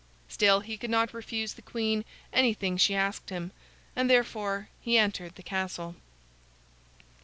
Still, he could not refuse the queen anything she asked him, and, therefore, he entered the castle.